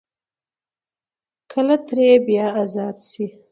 کله ترې بيا ازاد شي ـ